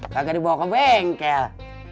kagak dibawa ke bengkel